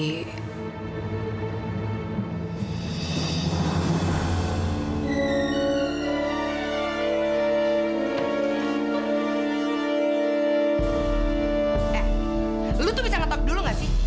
eh lu tuh bisa ngotok dulu gak sih